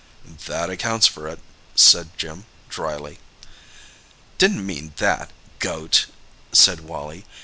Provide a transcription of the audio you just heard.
"That accounts for it," said Jim dryly. "Didn't mean that—goat!" said Wally.